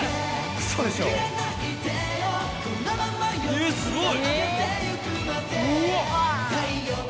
えぇすごい！